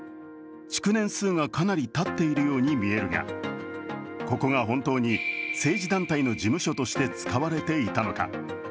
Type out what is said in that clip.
築年数がかなりたっているように見えるが、ここが本当に政治団体の事務所として使われていたのか。